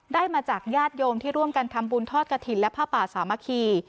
มาจากญาติโยมที่ร่วมกันทำบุญทอดกระถิ่นและผ้าป่าสามัคคี